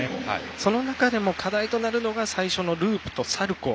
その中でも課題となるのが最初のループとサルコー。